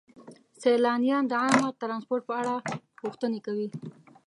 سیلانیان د عامه ترانسپورت په اړه پوښتنې کوي.